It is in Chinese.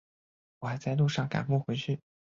我还在路上赶不回去